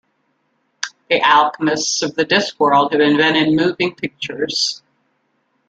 The alchemists of the Discworld have invented moving pictures.